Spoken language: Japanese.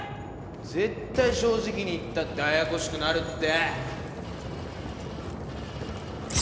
絶対正直に言ったってややこしくなるって。